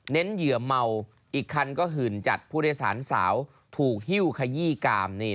เหยื่อเมาอีกคันก็หื่นจัดผู้โดยสารสาวถูกหิ้วขยี้กาม